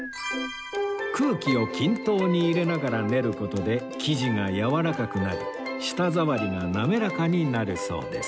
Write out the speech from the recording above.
空気を均等に入れながら練る事で生地がやわらかくなり舌触りが滑らかになるそうです